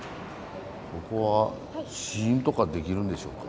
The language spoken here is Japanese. ここは試飲とかできるんでしょうか？